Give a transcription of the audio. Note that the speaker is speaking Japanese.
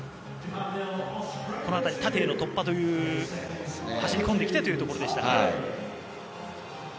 この辺り、縦への突破走り込んできてというところでしたが。